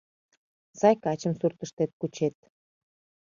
— Сай качым суртыштет кучет.